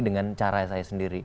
dengan cara saya sendiri